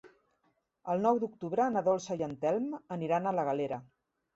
El nou d'octubre na Dolça i en Telm aniran a la Galera.